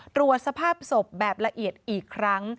ตรวจสภาพศพแบบละเอียดอีกครั้ง